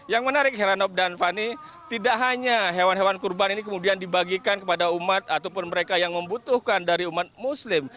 yang menarik heranop dan fani tidak hanya hewan hewan kurban ini kemudian dibagikan kepada umat ataupun mereka yang membutuhkan dari umat muslim